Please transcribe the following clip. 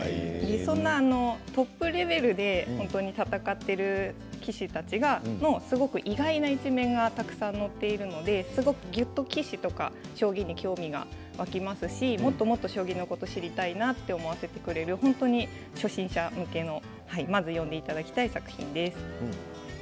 そんなトップレベルで戦っている棋士たちの意外な一面が載っているので棋士とか将棋に興味が湧きますしもっと将棋のことを知りたいと思わせてくれる、初心者向けの読んでいただきたい作品です。